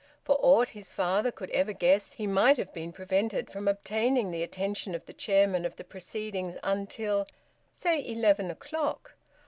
For aught his father could ever guess he might have been prevented from obtaining the attention of the chairman of the proceedings until, say, eleven o'clock.